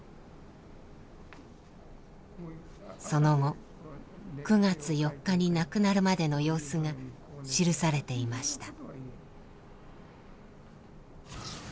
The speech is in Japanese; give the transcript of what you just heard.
その後９月４日に亡くなるまでの様子が記されていました。